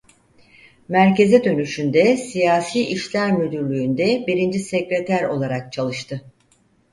Merkeze dönüşünde Siyasi İşler Müdürlüğünde Birinci Sekreter olarak çalıştı.